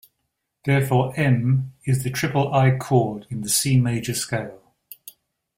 Therefore, Em is the iii chord in the C major scale.